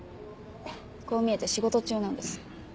こう見えて仕事中なんです。